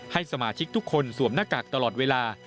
ให้สมาชิกทุกคนสวมหน้ากากตลอดเวลา